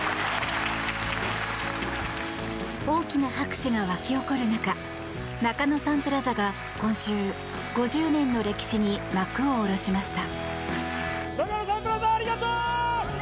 大きな拍手が沸き起こる中中野サンプラザが今週、５０年の歴史に幕を下ろしました。